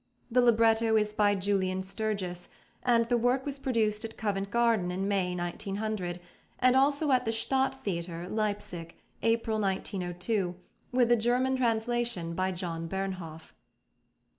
The libretto is by Julian Sturgis, and the work was produced at Covent Garden in May 1900, and also at the Stadt Theater, Leipsic, April 1902, with a German translation by John Bernhoff.